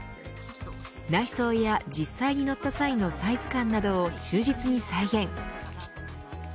内装や実際に乗った際のサイズ感などを忠実に再現。